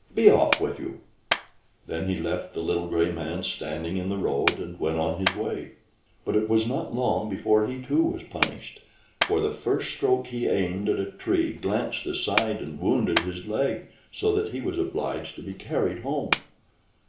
Be off with you." Then he left the little gray man standing in the road, and went on his way. But it was not long before he, too, was punished; for the first stroke he aimed at a tree glanced aside and wounded his leg, so that he was obliged to be carried home.